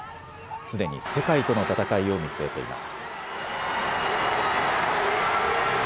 すでに世界との戦いを見据えています。